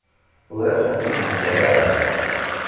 Ur asen-t-id-ǧǧan ara.